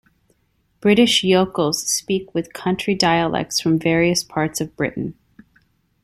British yokels speak with country dialects from various parts of Britain.